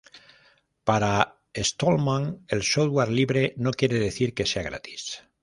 Para Stallman el software libre no quiere decir que sea gratis.